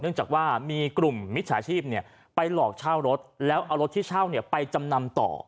เนื่องจากว่ามีกลุ่มมิตรสาธิบไปหลอกช่างรถแล้วเอารถที่ช่างไปจำนำต่อ